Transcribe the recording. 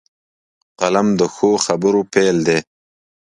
قلم د ښو خبرو پيل دی